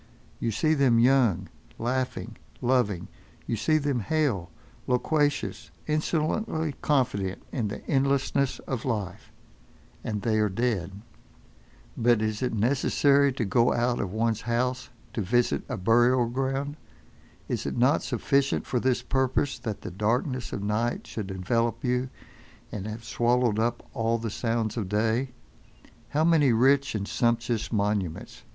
You see them young, laughing, loving; you see them hale, loquacious, insolently confident in the endlessness of life. And they are dead. But is it necessary to go out of one's house to visit a burial ground? Is it not sufficient for this purpose, that the darkness of night should envelop you, and have swallowed up all the sounds of day? How many rich and sumptuous monuments!